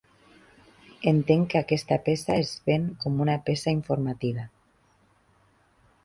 Entenc que aquesta peça es ven com una peça informativa.